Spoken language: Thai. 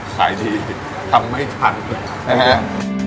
ขายดีทำไม่ทันใช่ไหม